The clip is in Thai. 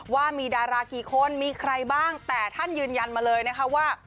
ว่ามีดารากี่คนมีใครบ้างแต่ท่านยืนยันมาเลยนะคะว่า